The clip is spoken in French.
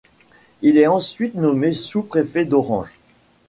Il est ensuite nommé sous-préfet d'Orange.